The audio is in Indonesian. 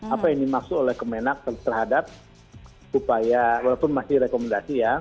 apa yang dimaksud oleh kemenak terhadap upaya walaupun masih rekomendasi ya